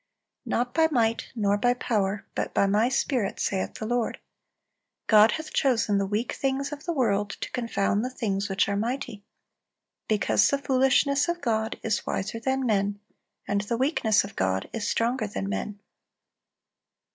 "Not by might, nor by power, but by My Spirit, saith the Lord."(346) "God hath chosen the weak things of the world to confound the things which are mighty." "Because the foolishness of God is wiser than men; and the weakness of God is stronger than men."